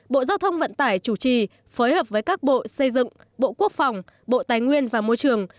bộ giao thông vận tải chủ trì phối hợp với các bộ xây dựng bộ quốc phòng bộ tài nguyên và môi trường